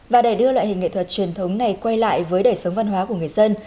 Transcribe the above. và để đưa loại hình nghệ thuật truyền thống này quay lại với đời sống văn hóa của người dân